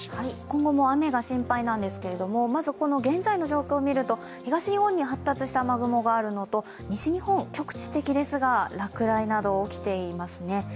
今後も雨が心配なんですけれども、まず現在の状況をみると、東日本に発達した雨雲があるのと西日本、局地的ですが落雷など、起きていますね。